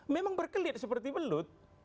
memang berkelit seperti belum